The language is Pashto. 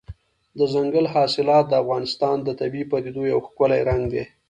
دځنګل حاصلات د افغانستان د طبیعي پدیدو یو ښکلی رنګ دی.